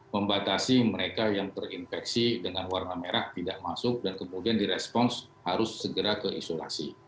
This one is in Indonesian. membatasi mereka yang terinfeksi dengan warna merah tidak masuk dan kemudian direspons harus segera ke isolasi